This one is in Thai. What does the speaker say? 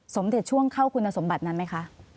สมเด็จช่วงเข้าคุณสมบัตินั้นไหมคะ